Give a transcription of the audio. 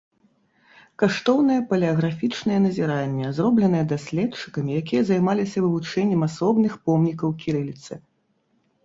Каштоўныя палеаграфічныя назірання, зробленыя даследчыкамі, якія займаліся вывучэннем асобных помнікаў кірыліцы.